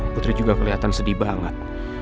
putri juga kelihatan sedih banget